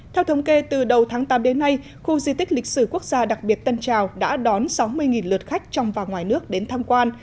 theo thống kê từ đầu tháng tám đến nay khu di tích lịch sử quốc gia đặc biệt tân trào đã đón sáu mươi lượt khách trong và ngoài nước đến tham quan